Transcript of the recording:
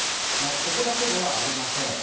ここだけではありません。